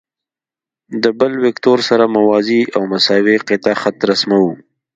د بل وکتور سره موازي او مساوي قطعه خط رسموو.